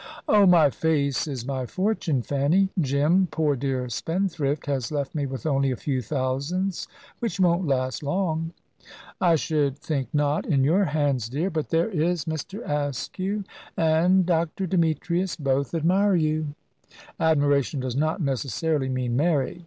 "Oh, my face is my fortune, Fanny. Jim, poor dear spendthrift, has left me with only a few thousands, which won't last long." "I should think not, in your hands, dear. But there is Mr. Askew and Dr. Demetrius both admire you." "Admiration does not necessarily mean marriage.